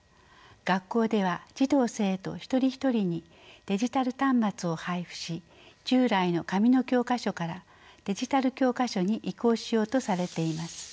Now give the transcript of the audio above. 学校では児童生徒一人一人にデジタル端末を配布し従来の紙の教科書からデジタル教科書に移行しようとされています。